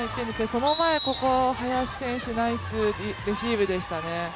その前、ここ、林選手、ナイスレシーブでしたね。